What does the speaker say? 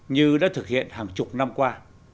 như đã thực hiện hàng chục năm qua